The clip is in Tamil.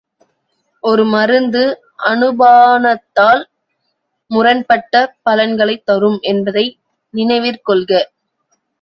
ஒரு மருந்து அனுபானத்தால் முரண்பட்ட பலன்களைத் தரும் என்பதை நினைவிற் கொள்க.